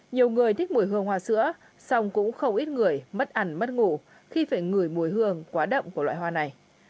nhiều người thích mùi hương hoa sữa xong cũng không ít người mất ăn mất ngủ khi phải ngửi mùi hương quá đậm của loại hoa này